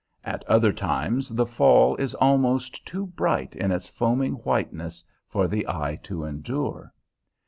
At other times the fall is almost too bright in its foaming whiteness for the eye to endure.